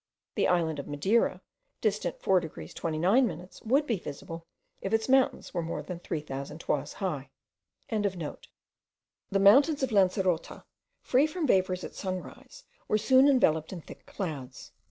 The island of Madeira, distant 4 degrees 29 minutes, would be visible, if its mountains were more than 3000 toises high.) The mountains of Lancerota, free from vapours at sunrise, were soon enveloped in thick clouds.